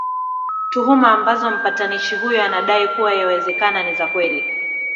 tuhuma ambazo mpatanishi huyo anadai kuwa yawezekana ni za kweli